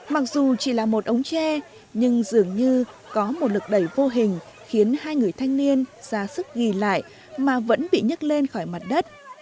mặc dù chỉ là một ống tre nhưng dường như có một lực đẩy vô hình khiến hai người thanh niên ra sức ghi lại mà vẫn bị nhức lên khỏi mặt đất